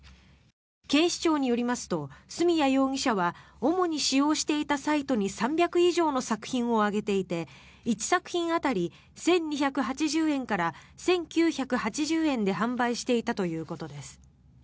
警視庁によりますと角谷容疑者は主に使用していたサイトに３００以上の作品を上げていて１作品当たり１２８０円から１９８０円で販売していたということです。